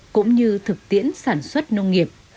cũng như thực tiễn sản xuất nông nghiệp